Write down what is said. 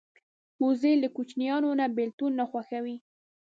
وزې له کوچنیانو نه بېلتون نه خوښوي